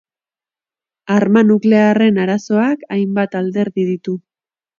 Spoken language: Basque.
Arma nuklearren arazoak hainbat alderdi ditu.